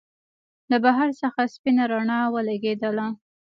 له بهر څخه سپينه رڼا ولګېدله.